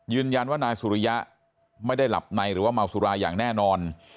ยืนยันว่านายสุริยะไม่ได้หลับในหรือว่าเมาสุราอย่างแน่นอน